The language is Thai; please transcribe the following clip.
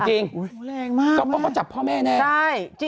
ก็เพราะเขาจับพ่อแม่แน่นะครับพ่อแม่ใช่